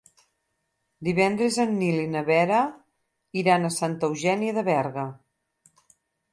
Divendres en Nil i na Vera iran a Santa Eugènia de Berga.